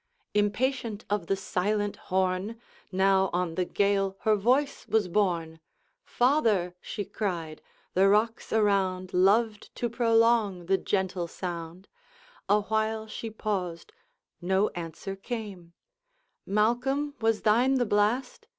Impatient of the silent horn, Now on the gale her voice was borne: 'Father!' she cried; the rocks around Loved to prolong the gentle sound. Awhile she paused, no answer came; 'Malcolm, was thine the blast?'